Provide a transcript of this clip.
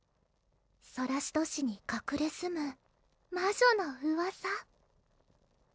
ソラシド市にかくれ住む魔女のうわさ